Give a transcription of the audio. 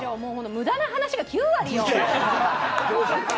無駄な話が９割よ。